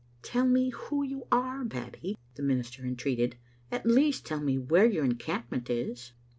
"Tell me who you are. Babbie," the minister en treated; "at least, tell me where your encampment is."